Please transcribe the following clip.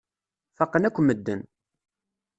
Faqen akk medden.